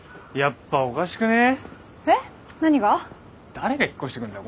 誰が引っ越してくんだよ